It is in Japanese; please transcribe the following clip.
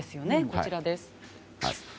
こちらです。